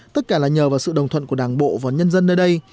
tất cả là nhờ vào sự đồng thuận của đảng bộ và nhân dân nơi đây